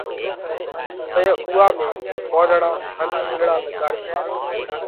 تئيون اُوئا ۾ پونَڙا ان ڦُولڙا لڳاڙشي۔